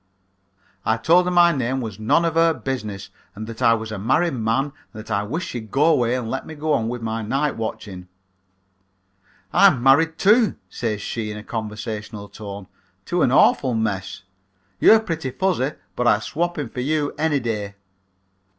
"I told her my name was none of her business and that I was a married man and that I wished she'd go away and let me go on with my night watching. "'I'm married too,' says she, in a conversational tone, 'to an awful mess. You're pretty fuzzy, but I'd swap him for you any day.